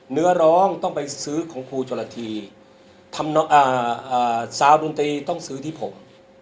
เนื้อร้องต้องไปซื้อของครูโจรธีสาวดนตรีต้องซื้อที่ผม